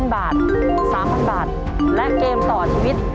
บาท๓๐๐บาทและเกมต่อชีวิต